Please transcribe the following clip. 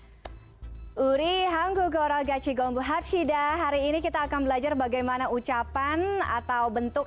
hai uri hanggugoro gacigomu hapshida hari ini kita akan belajar bagaimana ucapan atau bentuk